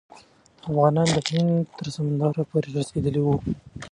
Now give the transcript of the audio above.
افغانان د هند تر سمندر پورې رسیدلي وو.